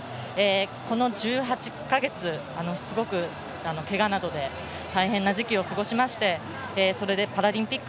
この１８か月、すごくけがなどで大変な時期を過ごしましてそれでパラリンピック